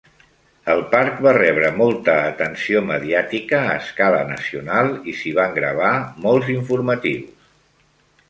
El parc va rebre molta atenció mediàtica a escala nacional i s'hi van gravar molts informatius.